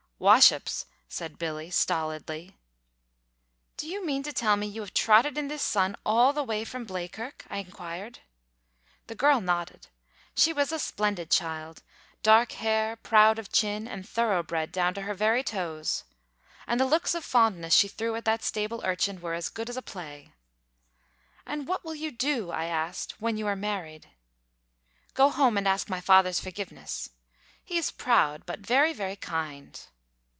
"Washups," said Billy, stolidly. "Do you mean to tell me you have trotted in this sun all the way from Bleakirk?" I inquired. The girl nodded. She was a splendid child dark haired, proud of chin, and thoroughbred down to her very toes. And the looks of fondness she threw at that stable urchin were as good as a play. "And what will you do," I asked, "when you are married?" "Go home and ask my father's forgiveness. He is proud; but very, very kind."